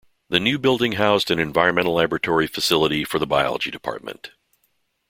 The new building housed an environmental laboratory facility for the Biology Department.